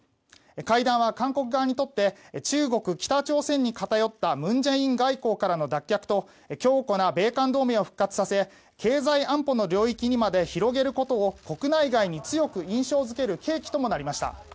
会談は韓国側にとって中国、北朝鮮に偏った文在寅外交からの脱却と強固な米韓同盟を復活させ経済安保の領域にまで広げることを国内外に強く印象付ける契機ともなりました。